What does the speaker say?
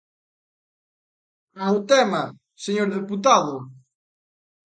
Ao tema, señor deputado.